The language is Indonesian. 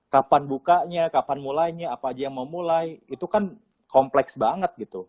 kapan bukanya kapan mulainya apa aja yang memulai itu kan kompleks banget gitu